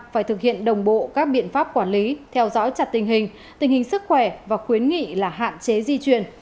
phải thực hiện đồng bộ các biện pháp quản lý theo dõi chặt tình hình tình hình sức khỏe và khuyến nghị là hạn chế di chuyển